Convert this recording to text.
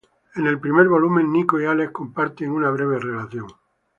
En el primer volumen, Nico y Alex comparten una breve relación.